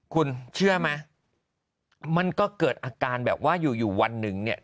คุณเชื่อไหมมันก็เกิดอาการแบบว่าอยู่อยู่วันหนึ่งเนี่ย